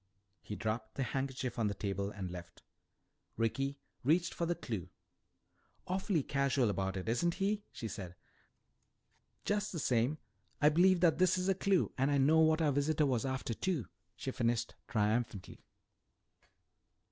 He dropped the handkerchief on the table and left. Ricky reached for the "clue." "Awfully casual about it, isn't he?" she said. "Just the same, I believe that this is a clue and I know what our visitor was after, too," she finished triumphantly.